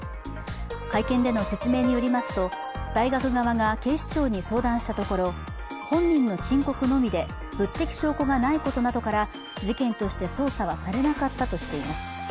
会見での説明によりますと大学側が警視庁に相談したところ、本人の申告のみで物的証拠がないことなどから事件として捜査はされなかったとしています。